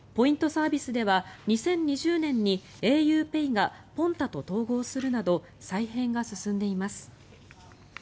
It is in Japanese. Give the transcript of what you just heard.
サービスでは２０２０年にａｕＰＡＹがＰｏｎｔａと統合するなど再編が進んでいます。